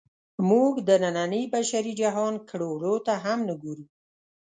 موږ د ننني بشري جهان کړو وړو ته هم نه ګورو.